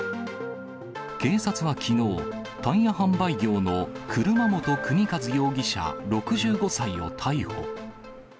警察はきのう、タイヤ販売業の車本都一容疑者６５歳を逮捕。